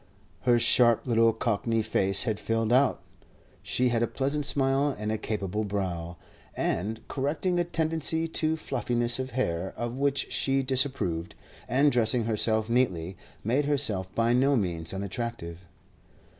Her sharp little Cockney face had filled out. She had a pleasant smile and a capable brow, and, correcting a tendency to fluffiness of hair of which she disapproved, and dressing herself neatly, made herself by no means unattractive.